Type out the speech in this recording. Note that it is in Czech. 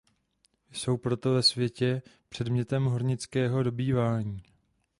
Jsou proto ve světě předmětem hornického dobývání.